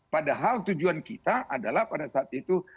padahal tujuan kita adalah pada saat itu